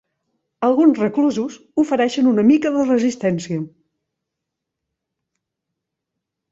Alguns reclusos ofereixen una mica de resistència.